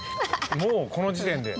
もうこの時点で。